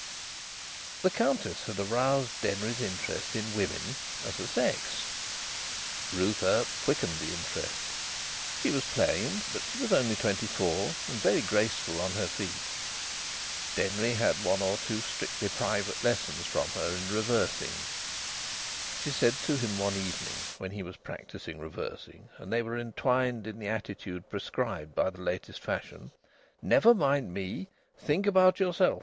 The Countess had aroused Denry's interest in women as a sex; Ruth Earp quickened the interest. She was plain, but she was only twenty four, and very graceful on her feet. Denry had one or two strictly private lessons from her in reversing. She said to him one evening, when he was practising reversing and they were entwined in the attitude prescribed by the latest fashion: "Never mind me! Think about yourself.